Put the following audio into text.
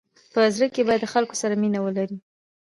په زړه کي باید د خلکو سره مینه ولری.